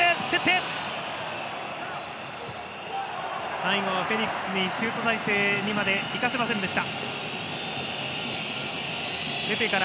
最後はフェニックスにシュート体勢にまでいかせませんでした。